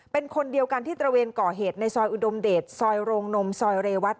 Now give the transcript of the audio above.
เป็นคนเดียวกันที่ตระเวนก่อเหตุในซอยอุดมเดชซอยโรงนมซอยเรวัต